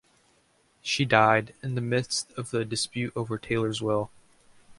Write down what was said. She died in the midst of the dispute over Taylor's will.